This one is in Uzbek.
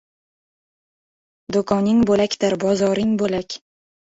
Do‘koning bo‘lakdir, bozoring bo‘lak